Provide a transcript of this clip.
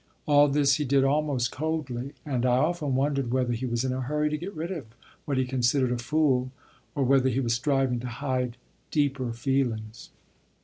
All this he did almost coldly; and I often wondered whether he was in a hurry to get rid of what he considered a fool, or whether he was striving to hide deeper feelings.